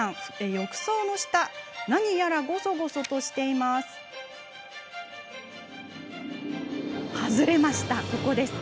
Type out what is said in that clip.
浴槽の下を何やらごそごそとそして、外れました。